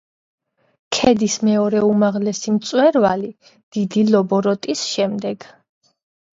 ქედის მეორე უმაღლესი მწვერვალი დიდი ლობოროტის შემდეგ.